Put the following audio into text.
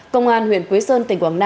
công an huyện quế sơn tỉnh quảng nam